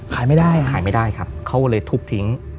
ขายไม่ได้ขายไม่ได้ครับเขาเลยทุบทิ้ง